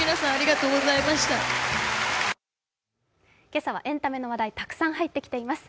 今朝はエンタメの話題、たくさん入ってきています。